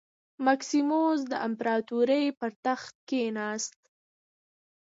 مکسیموس د امپراتورۍ پر تخت کېناست